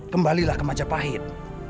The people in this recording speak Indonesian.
kembalilah ke majapahit